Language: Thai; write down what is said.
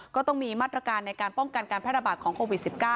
ก็ต้องมีมาตรการในการป้องกันการแพร่ระบาดของโควิด๑๙